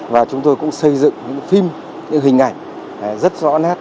và chúng tôi cũng xây dựng những phim những hình ảnh rất rõ nét